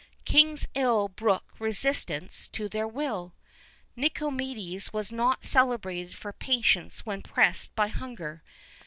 Kings ill brook resistance to their will.[V 35] Nicomedes was not celebrated for patience when pressed by hunger.